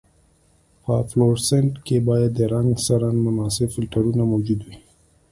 په فلورسنټ کې باید د رنګ سره مناسب فلټرونه موجود وي.